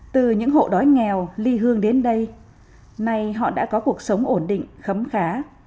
từ những hộ đói nghèo ly hương đến đây nay họ đã có cuộc sống ổn định khấm khá